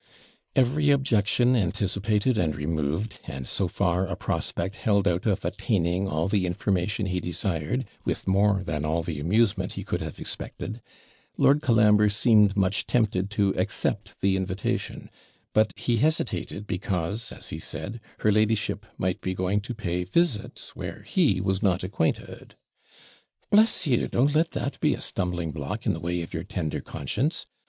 Every objection anticipated and removed, and so far a prospect held out of attaining all the information he desired, with more than all the amusement he could have expected, Lord Colambre seemed much tempted to accept the invitation; but he hesitated, because, as he said, her ladyship might be going to pay visits where he was not acquainted. 'Bless you! don't let that be a stumbling block in the way of your tender conscience.